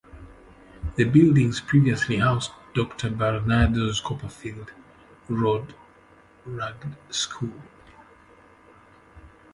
The buildings previously housed Doctor Barnado's Copperfield Road Ragged School.